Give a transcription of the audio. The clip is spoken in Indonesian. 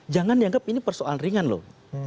jangan dianggap ini persoalan ringan loh